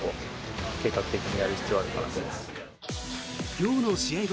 今日の試合後